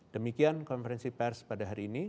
demikian konferensi pers pada hari ini